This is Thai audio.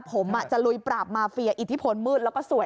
ผมจะลุยปราบมาเฟียอิทธิพลมืดแล้วก็สวย